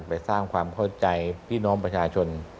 ไปสร้างความเข้าใจพี่น้องประชาชน